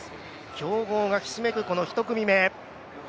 強豪がひしめく１組目。